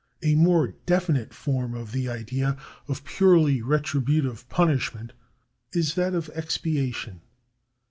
A more definite form of the idea of purely retributive punishment is that of expiation.